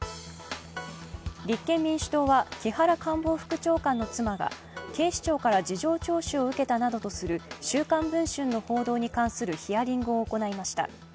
立憲民主党は木原官房副長官の妻が警視庁から事情聴取を受けたなどとする「週刊文春」の報道に関するヒアリングを行いました。